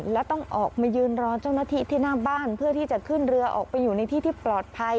และต้องออกมายืนรอเจ้าหน้าที่ที่หน้าบ้านเพื่อที่จะขึ้นเรือออกไปอยู่ในที่ที่ปลอดภัย